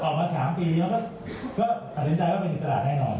ก็ตอนนั้นก็ออกมา๓ปีแล้วก็ตัดสินใจว่าเป็นอินตราตแน่นอน